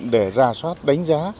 để ra soát đánh giá